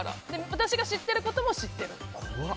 私が知ってることを知っている。